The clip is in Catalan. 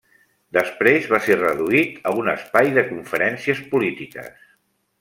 Després va ser reduït a un espai de conferències polítiques.